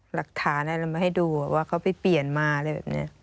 หลักฐานอะไรเรามาให้ดูว่าเขาไปเปลี่ยนมาอะไรแบบนี้